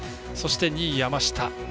そして２位、山下。